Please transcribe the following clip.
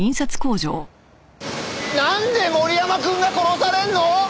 なんで森山くんが殺されるの？